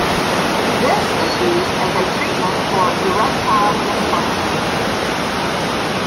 This is used as a treatment for erectile dysfunction.